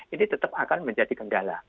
ini tetap akan menjadi kendala